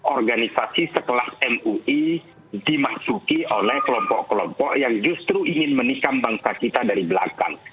organisasi setelah mui dimasuki oleh kelompok kelompok yang justru ingin menikam bangsa kita dari belakang